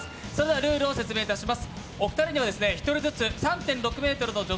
ルールを説明いたします。